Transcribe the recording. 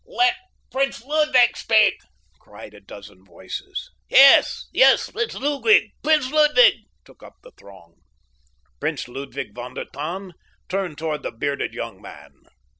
"Let Prince Ludwig speak!" cried a dozen voices. "Yes, Prince Ludwig! Prince Ludwig!" took up the throng. Prince Ludwig von der Tann turned toward the bearded young man.